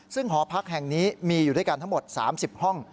ซึ่งหอพักแห่งนี้มีอยู่ด้วยกันทั้งหมด๓๐ห้อง